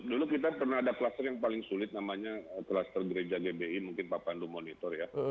dulu kita pernah ada kluster yang paling sulit namanya kluster gereja gbi mungkin pak pandu monitor ya